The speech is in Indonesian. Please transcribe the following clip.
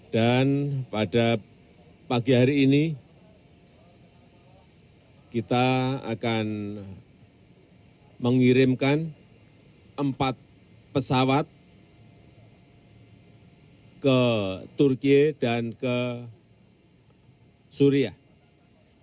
dan pada pagi hari ini kita akan mengirimkan empat pesawat ke turki dan ke suriah